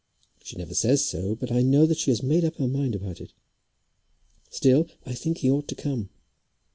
She never says so, but I know that she has made up her mind about it. Still I think he ought to come."